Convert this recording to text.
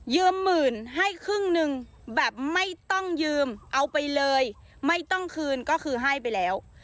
หมื่นให้ครึ่งหนึ่งแบบไม่ต้องยืมเอาไปเลยไม่ต้องคืนก็คือให้ไปแล้ว